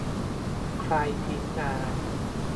ใครทิ้งงาน